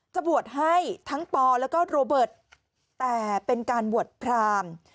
จะบวชให้ทั้งปอแล้วก็โรเบิร์ตแต่เป็นการบวชพราม